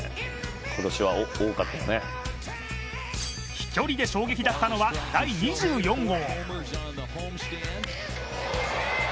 飛距離で衝撃だったのは、第２４号。